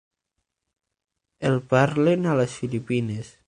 El parlen a les Filipines.